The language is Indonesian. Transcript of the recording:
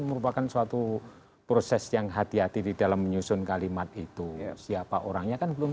merupakan suatu proses yang hati hati di dalam menyusun kalimat itu siapa orangnya kan belum